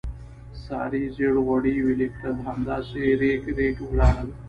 سارې زېړ غوړي ویلې کړل، همداسې رېګ رېګ ولاړل.